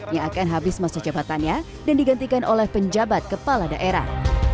yang akan habis masa jabatannya dan digantikan oleh penjabat kepala daerah